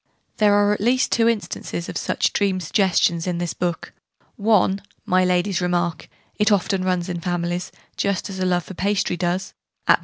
There are at least two instances of such dream suggestions in this book one, my Lady's remark, 'it often runs in families, just as a love for pastry does', at p.